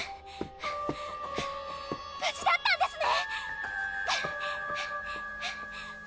無事だったんですね！